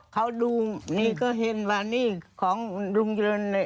เขาดูนี่ก็เห็นว่านี่ของลุงเจริญเนี่ย